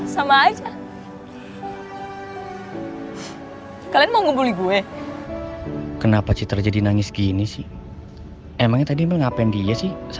sampai jumpa di video selanjutnya